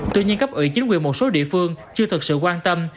tuy nhiên cấp ủy chính quyền một số địa phương chưa thực sự quan tâm